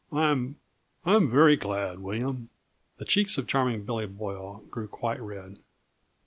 I'm I'm very glad, William." The cheeks of Charming Billy Boyle grew quite red.